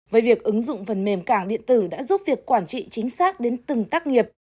với việc ứng dụng phần mềm cảng điện tử đã giúp việc quản trị chính xác đến từng tác nghiệp